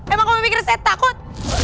emang kamu mikir saya takut